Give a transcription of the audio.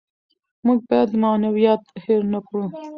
موږ باید معنویات هېر نکړو.